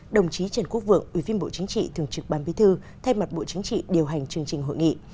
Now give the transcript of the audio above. đồng chí trần quốc vượng ủy viên bộ chính trị thường trực ban bí thư thay mặt bộ chính trị điều hành chương trình hội nghị